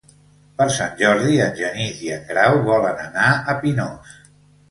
Per Sant Jordi en Genís i en Grau volen anar a Pinós.